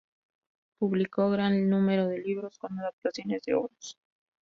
Publicó gran número de libros con adaptaciones de obras.